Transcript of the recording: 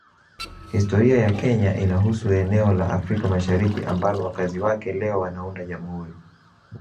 Historia ya Kenya inahusu eneo la Afrika Mashariki ambalo wakazi wake leo wanaunda Jamhuri